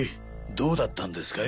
どうだったんですかい？